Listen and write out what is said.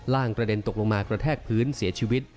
กระเด็นตกลงมากระแทกพื้นเสียชีวิต